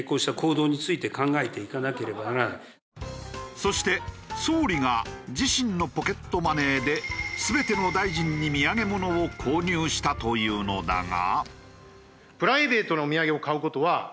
そして総理が自身のポケットマネーで全ての大臣に土産物を購入したというのだが。